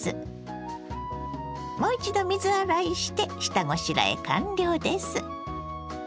もう一度水洗いして下ごしらえ完了です。